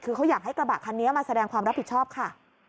คือเขาอยากให้กระบะคันนี้มาแสดงความรับผิดชอบค่ะ